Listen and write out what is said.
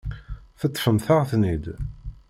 Teṭṭfemt-aɣ-ten-id.